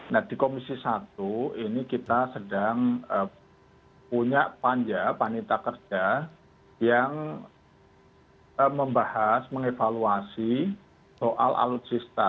nah di komisi satu ini kita sedang punya panja panita kerja yang membahas mengevaluasi soal alutsista